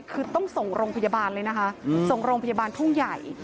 คือต้องส่งโรงพยาบาลเลยนะคะส่งโรงพยาบาลทุ่งใหญ่